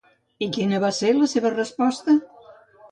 I quina va ser la seva resposta?